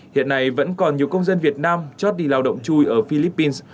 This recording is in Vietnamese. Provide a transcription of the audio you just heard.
hiện nay vẫn còn nhiều công dân việt nam chót đi lao động chui ở philippines